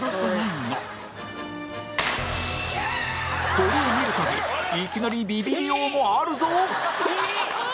これを見る限りいきなりビビリ王もあるぞ